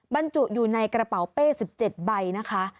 บรรจุอยู่ในกระเป๋าเป้๑๗ใบนะคะ